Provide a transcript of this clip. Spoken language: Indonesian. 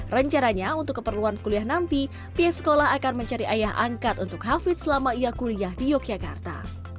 rencananya untuk keperluan kuliah nanti pihak sekolah akan mencari ayah angkat untuk hafid selama ia kuliah di yogyakarta